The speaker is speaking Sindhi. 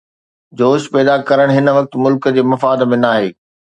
جوش پيدا ڪرڻ هن وقت ملڪ جي مفاد ۾ ناهي.